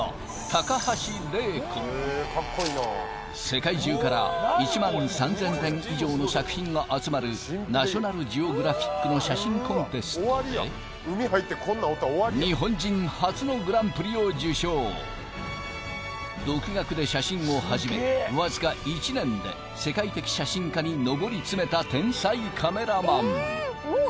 世界中から１万３０００点以上の作品が集まるナショナルジオグラフィックの写真コンテストで独学で写真を始めわずか１年で世界的写真家に上り詰めた天才カメラマン